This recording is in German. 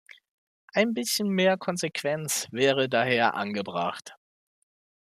Ein bisschen mehr Konsequenz wäre daher angebracht.